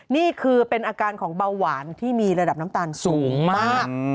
นี่คือเป็นอาการของเบาหวานที่มีระดับน้ำตาลสูงมาก